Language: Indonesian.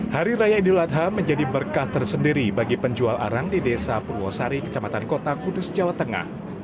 hari raya idul adha menjadi berkah tersendiri bagi penjual arang di desa purwosari kecamatan kota kudus jawa tengah